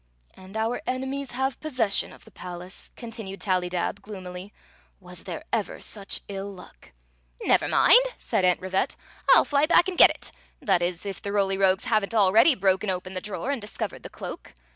" And our enemies have possession of the palace," continued Tallydab, gloomily. " Was there ever such ill luck !" "Never mind," said Aunt Rivette, "I '11 fly back and get it — that is, if the Roly Rogues have n't al ready broken open the drawer and discovered the cloak."